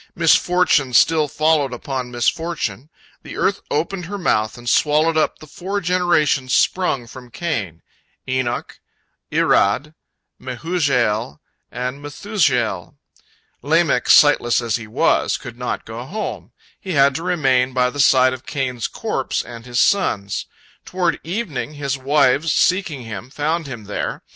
Misfortune still followed upon misfortune. The earth opened her mouth and swallowed up the four generations sprung from Cain—Enoch, Irad, Mehujael, and Methushael. Lamech, sightless as he was, could not go home; he had to remain by the side of Cain's corpse and his son's. Toward evening, his wives, seeking him, found him there.